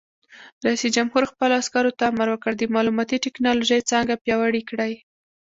رئیس جمهور خپلو عسکرو ته امر وکړ؛ د معلوماتي تکنالوژۍ څانګه پیاوړې کړئ!